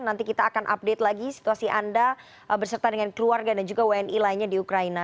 nanti kita akan update lagi situasi anda berserta dengan keluarga dan juga wni lainnya di ukraina